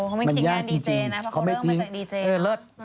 โอ่มันยากจริงเพราะเขาเริ่มมาจากดีเจ